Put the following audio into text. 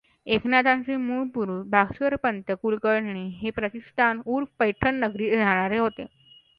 एकनाथांचे मूळ पुरुष भास्करपंत कुलकर्णी, हे प्रतिष्ठान ऊर्फ पैठण नगरीत राहणारे होते.